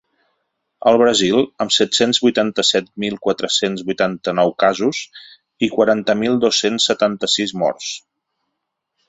El Brasil, amb set-cents vuitanta-set mil quatre-cents vuitanta-nou casos i quaranta mil dos-cents setanta-sis morts.